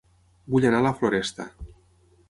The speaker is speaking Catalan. Vull anar a La Floresta